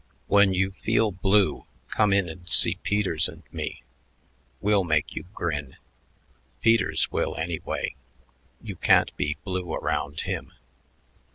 When you feel blue, come in and see Peters and me. We'll make you grin; Peters will, anyway. You can't be blue around him."